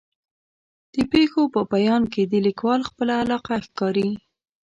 د پېښو په بیان کې د لیکوال خپله علاقه ښکاري.